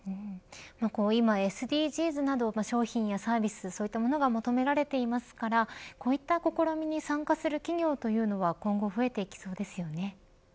今、ＳＤＧｓなど商品やサービス、そういったものが求められていますからこういった試みに参加する企業というのは今後増えてきそうですよね。